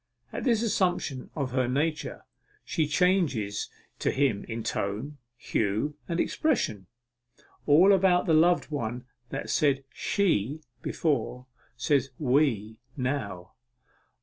At this assumption of her nature, she changes to him in tone, hue, and expression. All about the loved one that said 'She' before, says 'We' now.